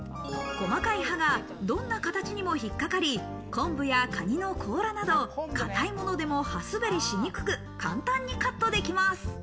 細かい刃がどんな形にも引っかかり、昆布やカニの甲羅など、硬いものでも刃滑りしにくく簡単にカットできます。